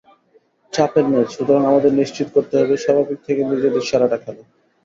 চাপের ম্যাচ, সুতরাং আমাদের নিশ্চিত করতে হবে স্বাভাবিক থেকে নিজেদের সেরাটা খেলা।